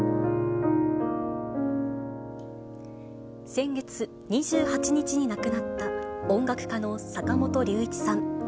先月２８日に亡くなった音楽家の坂本龍一さん。